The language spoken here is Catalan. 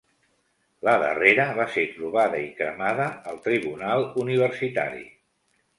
La darrera va ser trobada i cremada al tribunal universitari.